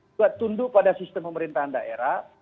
juga tunduk pada sistem pemerintahan daerah